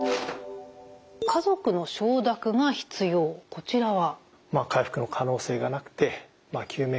こちらは？